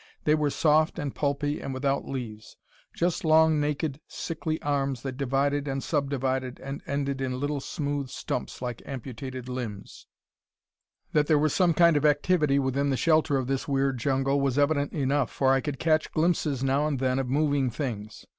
They were soft and pulpy, and without leaves; just long naked sickly arms that divided and subdivided and ended in little smooth stumps like amputated limbs. That there was some kind of activity within the shelter of this weird jungle, was evident enough, for I could catch glimpses, now and then of moving things.